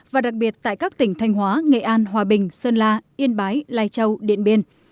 và đặc biệt tại các tỉnh thanh hóa nghệ an hòa bình sơn la yên bái lai châu điện biên